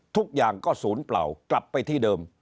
ทุกอย่างก็ศูนย์เปล่ากลับไปที่เดิม